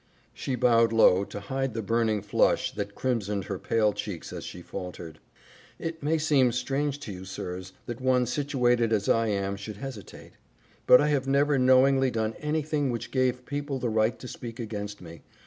She bowed low to hide the burning flush that crimsoned her pale cheeks as she faltered, "It may seem strange to you, sirs, that one situated as I am should hesitate, but I have never knowingly done anything which gave people the right to speak against me.